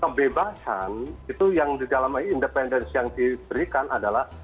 kebebasan itu yang di dalam independensi yang diberikan adalah